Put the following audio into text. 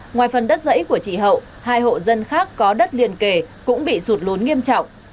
ngoài phần đất dẫy của chị hậu hai hộ dân khác có đất liền kề cũng bị sụt lún nghiêm trọng